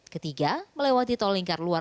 ketiga melewati tol lingkar luar